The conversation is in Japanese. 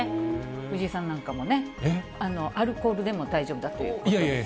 藤井さんなんかもね、アルコールでも大丈夫だということです。